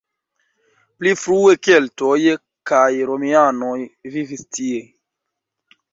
Pli frue keltoj kaj romianoj vivis tie.